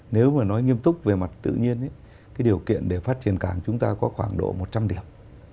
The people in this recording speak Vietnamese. nếu mà nói nghiêm túc về mặt tự nhiên cái điều kiện để phát triển cảng chúng ta có khoảng độ một trăm linh điểm